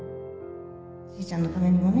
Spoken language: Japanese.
しーちゃんのためにもね。